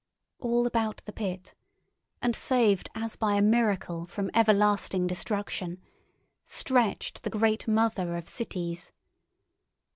All about the pit, and saved as by a miracle from everlasting destruction, stretched the great Mother of Cities.